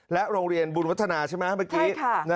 โรงเรียนบุญวัฒนาใช่ไหมเมื่อกี้